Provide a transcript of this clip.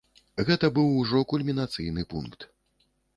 Гэта быў ужо кульмінацыйны пункт.